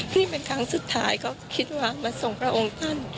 นี่เป็นครั้งสุดท้ายก็คิดว่ามาส่งพระองค์ท่าน